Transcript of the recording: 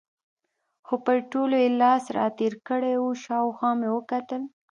خو پر ټولو یې لاس را تېر کړی و، شاوخوا مې وکتل.